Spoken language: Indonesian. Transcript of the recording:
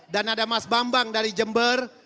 dan ada mas bambang dari jember